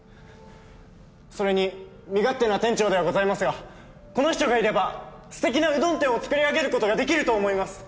それに身勝手な店長ではございますがこの人がいればすてきなうどん店をつくり上げることができると思います！